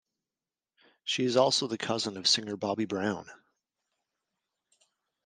She is also the cousin of singer Bobby Brown.